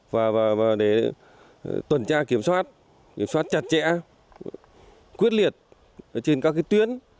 và để tuần tra kiểm soát kiểm soát chặt chẽ quyết liệt trên các tuyến